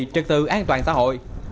trật tự an toàn xã hội